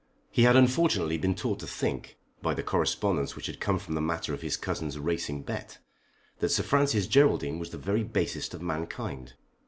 He had unfortunately been taught to think, by the correspondence which had come from the matter of his cousin's racing bet, that Sir Francis Geraldine was the very basest of mankind.